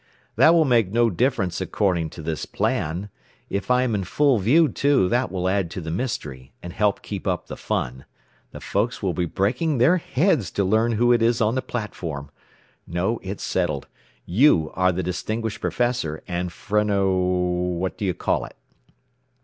"That will make no difference according to this plan. If I am in full view, too, that will add to the mystery, and help keep up the fun. The folks will be breaking their heads to learn who it is on the platform. No; it's settled. You are the distinguished professor and phreno what do you call it."